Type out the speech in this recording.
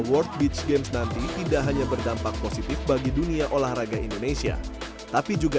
world beach games nanti tidak hanya berdampak positif bagi dunia olahraga indonesia tapi juga